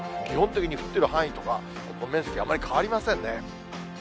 基本的に降っている範囲とか、面積、あまり変わりませんね。